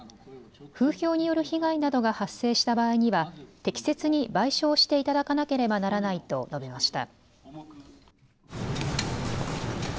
風評による被害などが発生した場合には適切に賠償していただかなければならないと述べました。